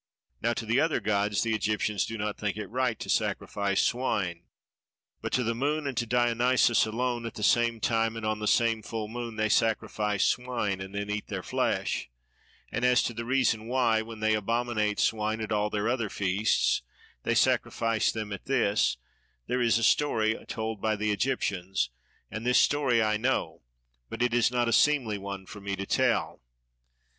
Now to the other gods the Egyptians do not think it right to sacrifice swine; but to the Moon and to Dionysos alone at the same time and on the same full moon they sacrifice swine, and then eat their flesh: and as to the reason why, when they abominate swine at all their other feasts, they sacrifice them at this, there is a story told by the Egyptians; and this story I know, but it is not a seemly one for me to tell.